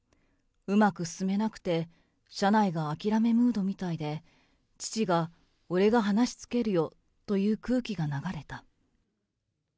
うまく進めなくて、車内が諦めムードみたいで、父が、俺が話つけるよという空気が流れた。